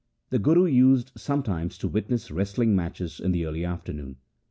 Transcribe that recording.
The Guru used sometimes to witness wrestling matches in the early afternoon.